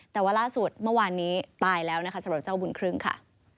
แต่ว่าล่าสุดเมื่อวานนี้ตายแล้วนะคะสำหรับเจ้าบุญครึ่งค่ะ